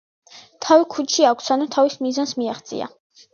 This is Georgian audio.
თავი ქუდში აქვს - ანუ თავის მიზანს მიაღწია.